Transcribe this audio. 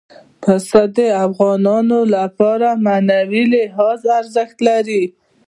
پسه د افغانانو لپاره په معنوي لحاظ ارزښت لري.